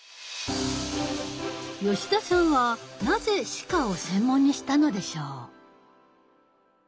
吉田さんはなぜ歯科を専門にしたのでしょう？